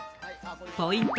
ポイント